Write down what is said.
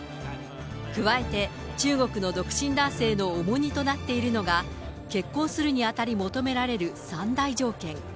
加えて、中国の独身男性の重荷となっているのが、結婚するにあたり求められる３大条件。